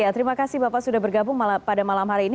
terima kasih bapak sudah bergabung pada malam hari ini